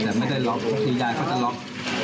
แต่ไม่ได้ล็อกก็คือยายเขาจะล็อก